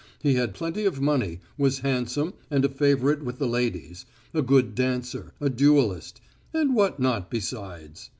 He had plenty of money, was handsome, and a favourite with the ladies, a good dancer, a duellist and what not besides?